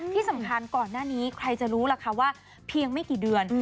ที่สำคัญก่อนหน้านี้ใครจะรู้ล่ะคะว่าเพียงไม่กี่เดือน